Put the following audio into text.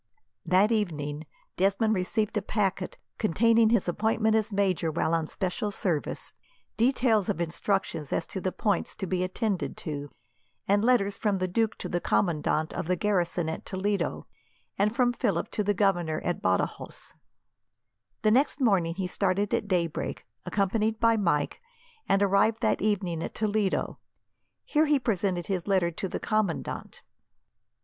That evening, Desmond received a packet containing his appointment as major while on special service, details of instructions as to the points to be attended to, and letters from the duke to the commandant of the garrison at Toledo, and from Philip to the Governor at Badajos. The next morning he started at daybreak, accompanied by Mike, and arrived that evening at Toledo. Here he presented his letter to the commandant.